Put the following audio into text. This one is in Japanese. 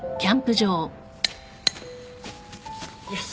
よし